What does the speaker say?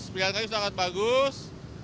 biarinnya sudah sangat bagus